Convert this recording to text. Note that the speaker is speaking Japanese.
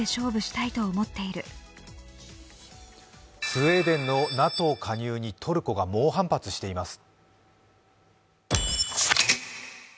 スウェーデンのＮＡＴＯ加入にトルコが猛反発しています。